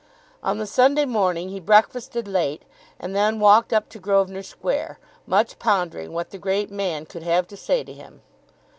On the Sunday morning he breakfasted late and then walked up to Grosvenor Square, much pondering what the great man could have to say to him.